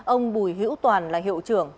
ông bùi hữu toàn là hiệu trưởng